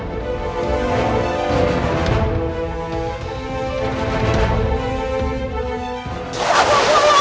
hentikan bumerangmu tapak wulo